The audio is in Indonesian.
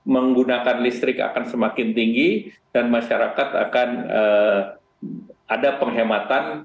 menggunakan listrik akan semakin tinggi dan masyarakat akan ada penghematan